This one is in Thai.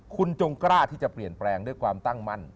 คุณจงกล้าที่จะเปลี่ยนแปลงด้วยความตั้งมั่น